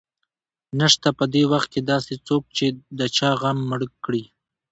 نشته په دې وخت کې داسې څوک چې د چا غم مړ کړي